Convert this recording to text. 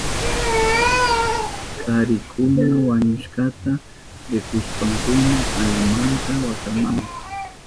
Karikuna wañushkata rikushpankuna alimanta wakanahun.